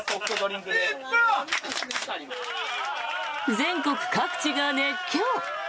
全国各地が熱狂。